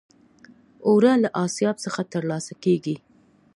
اوړه له آسیاب څخه ترلاسه کېږي